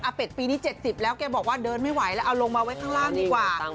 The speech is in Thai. เป็ดปีนี้๗๐แล้วแกบอกว่าเดินไม่ไหวแล้วเอาลงมาไว้ข้างล่างดีกว่า